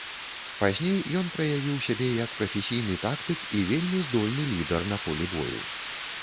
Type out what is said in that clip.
Пазней ён праявіў сябе як прафесійны тактык і вельмі здольны лідар на полі бою.